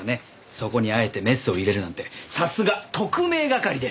そこにあえてメスを入れるなんてさすが特命係です！